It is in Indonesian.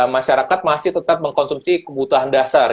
masyarakat masih tetap mengkonsumsi kebutuhan dasar